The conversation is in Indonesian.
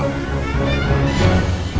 bersama pak abdul